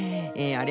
あれ。